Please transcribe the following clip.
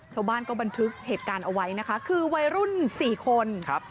ชาวบ้านก็บันทึกเหตุการณ์เอาไว้นะคะคือวัยรุ่นสี่คนครับ